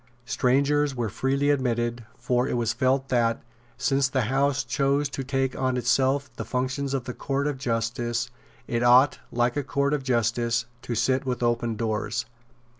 Strangers were freely admitted; for it was felt that, since the House chose to take on itself the functions of a court of justice, it ought, like a court of justice, to sit with open doors.